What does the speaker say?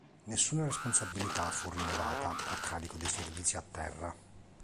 Nessuna responsabilità fu rilevata a carico dei servizi a terra..